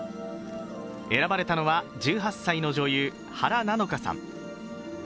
選ばれたのは１８歳の女優原菜乃華さん。